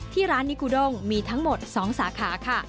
ที่ร้านนิกูดงมีทั้งหมด๒สาขาค่ะ